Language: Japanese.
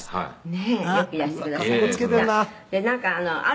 「ねえ」